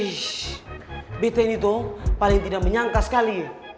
hei bete ini tuh paling tidak menyangka sekali ya